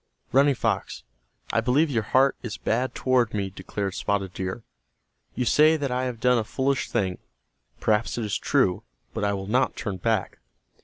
"Running Fox, I believe your heart is bad toward me," declared Spotted Deer. "You say that I have done a foolish thing. Perhaps it is true, but I will not turn back.